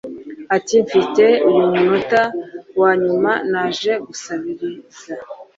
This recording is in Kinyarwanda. ati mfite uyu munota wanyuma naje gusabiriza